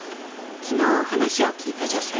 昨日話を聞いた女性。